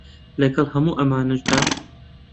لەگەڵ هەموو ئەمانەشدا